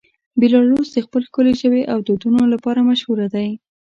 بیلاروس د خپل ښکلې ژبې او دودونو لپاره مشهوره دی.